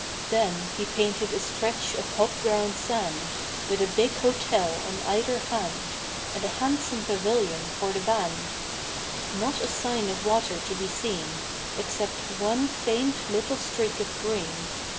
Then he painted a stretch of hot brown sand, With a big hotel on either hand, And a handsome pavilion for the band; Not a sign of water to be seen, Except one faint little streak of green.